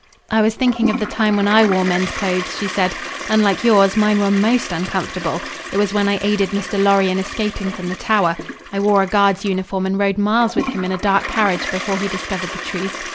"I was thinking of the time when I wore men's clothes," she said. "Unlike yours, mine were most uncomfortable. It was when I aided Mr. Lorry in escaping from the tower. I wore a guard's uniform and rode miles with him in a dark carriage before he discovered the truth."